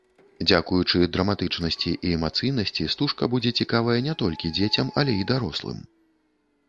Дзякуючы драматычнасці і эмацыйнасці стужка будзе цікавая не толькі дзецям, але і дарослым.